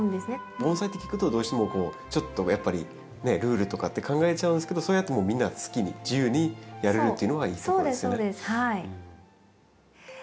盆栽って聞くとどうしてもちょっとやっぱりルールとかって考えちゃうんですけどそうやってみんな好きに自由にやれるっていうのがいいところですよね。